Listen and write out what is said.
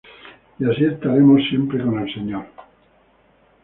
Y así estaremos siempre con el Señor.